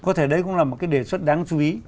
có thể đấy cũng là một cái đề xuất đáng chú ý